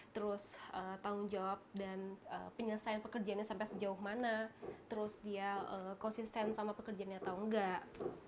terus tanggung jawab dan penyelesaian pekerjaannya sampai sejauh mana terus dia konsisten sama pekerjaannya atau enggak